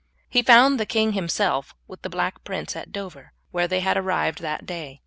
He found the king himself with the Black Prince at Dover, where they had arrived that day.